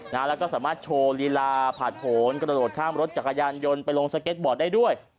แล้วก็สามารถโชว์ลีลาผ่านผลกระโดดข้ามรถจักรยานยนต์ไปลงสเก็ตบอร์ดได้ด้วย